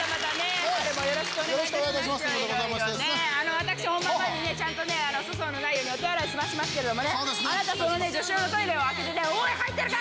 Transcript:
私本番前にねちゃんと粗相のないようにお手洗い済ましますけどもねあなたその女子用のトイレを開けておい入ってるか！